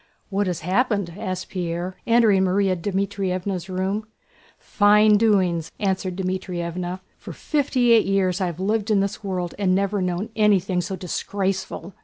"What has happened?" asked Pierre, entering Márya Dmítrievna's room. "Fine doings!" answered Dmítrievna. "For fifty eight years have I lived in this world and never known anything so disgraceful!"